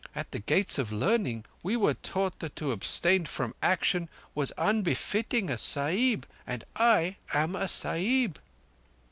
"At the Gates of Learning we were taught that to abstain from action was unbefitting a Sahib. And I am a Sahib."